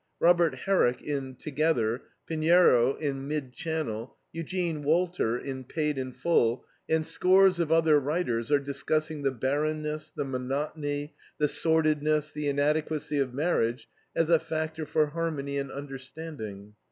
Robert Herrick, in TOGETHER; Pinero, in MID CHANNEL; Eugene Walter, in PAID IN FULL, and scores of other writers are discussing the barrenness, the monotony, the sordidness, the inadequacy of marriage as a factor for harmony and understanding.